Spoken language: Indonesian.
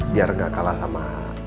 biar gak kalah sama